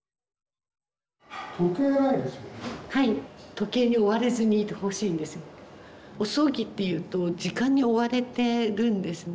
時計に追われずにいてほしいんですよ。お葬儀っていうと時間に追われてるんですね。